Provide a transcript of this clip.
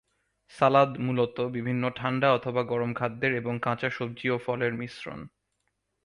সালাদ মুলত বিভিন্ন ঠান্ডা অথবা গরম খাদ্যের এবং কাঁচা সবজি ও ফলের মিশ্রণ।